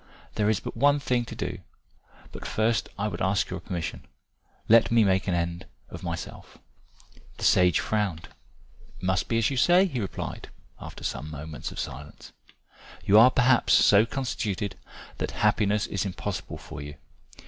There is but one thing to do, but first I would ask your permission. Let me make an end of myself." The sage frowned. "It must be as you say," he replied after some moments' silence. "You are perhaps so constituted that happiness is impossible for you.